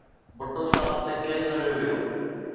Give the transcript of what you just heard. ڀٽو صاحب تي ڪيس هليو ويو.